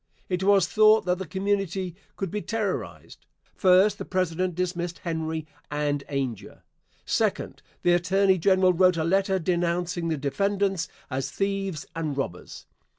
It was thought that the community could be terrorized: First. The President dismissed Henry and Ainger. Second. The Attorney General wrote a letter denouncing the defendants as thieves and robbers.